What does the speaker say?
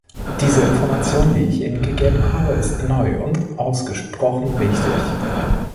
Diese Information, die ich Ihnen gegeben habe, ist neu und ausgesprochen wichtig.